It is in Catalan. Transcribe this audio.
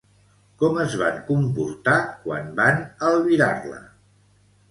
Com es van comportar quan van albirar-la?